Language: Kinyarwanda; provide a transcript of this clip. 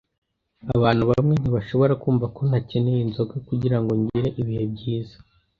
Abantu bamwe ntibashobora kumva ko ntakeneye inzoga kugirango ngire ibihe byiza.